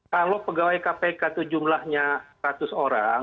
kalau pegawai kpk itu jumlahnya seratus orang